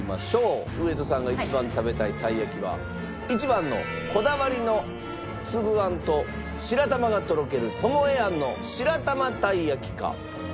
上戸さんが一番食べたいたい焼きは１番のこだわりのつぶあんと白玉がとろけるともえ庵の白玉たいやきか？